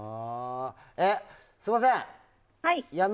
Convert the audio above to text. すみません。